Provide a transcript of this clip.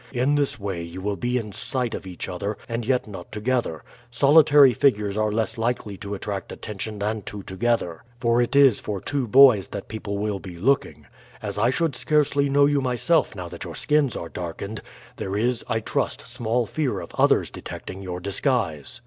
In this way you will be in sight of each other and yet not together; solitary figures are less likely to attract attention than two together, for it is for two boys that people will be looking. As I should scarcely know you myself now that your skins are darkened, there is, I trust, small fear of others detecting your disguise."